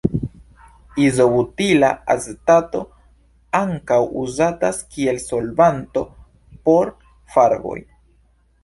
Izobutila acetato ankaŭ uzatas kiel solvanto por farboj.